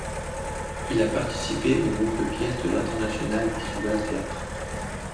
Il a participé aux nombreux pièces de l'International Visual Theatre.